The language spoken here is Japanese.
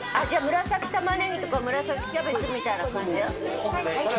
紫たまねぎとか紫キャベツみたいな感じ。